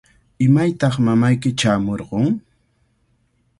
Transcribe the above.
¿Imaytaq mamayki chaamurqun?